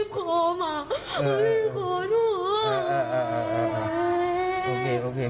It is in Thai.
ตอนนั้นหนูยิบขอมา